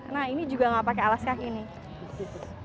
nah ini juga nggak pakai alas kaki nih